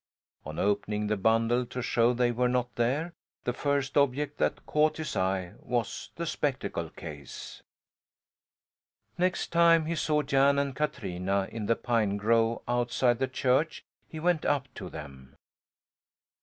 On opening the bundle to show they were not there, the first object that caught his eye was the spectacle case. Next time he saw Jan and Katrina in the pine grove outside the church, he went up to them.